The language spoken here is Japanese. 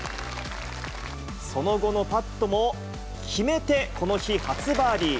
その後のパットも決めて、この日、初バーディー。